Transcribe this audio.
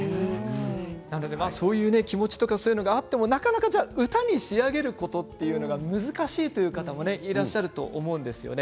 そういう気持ちとかそういうのがあってもなかなか歌に仕上げることっていうのは難しい方もいらっしゃると思うんですよね。